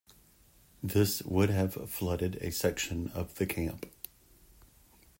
This would have flooded a section of the camp.